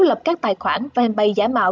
lập các tài khoản và em bay giả mạo